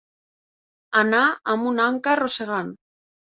Anar amb una anca arrossegant.